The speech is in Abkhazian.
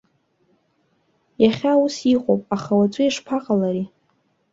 Иахьа ус иҟоуп, аха уаҵәы ишԥаҟалари?